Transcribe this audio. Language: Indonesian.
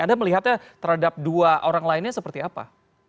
anda melihatnya terhadap dua orang lainnya seperti apa